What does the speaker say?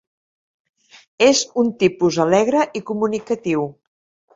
És un tipus alegre i comunicatiu.